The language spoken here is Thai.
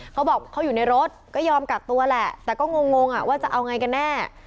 เขาบอกเขาอยู่ในรถก็ยอมกักตัวแหละแต่ก็งงว่าจะเอาไงกันแน่